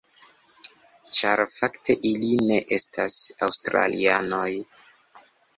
Ĉar fakte, ili ne estas aŭstralianoj.